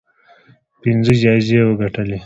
پنځه جایزې وګټلې